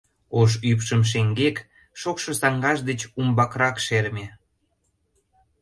ош ӱпшым шеҥгек, шокшо саҥгаж деч умбакырак, шерме.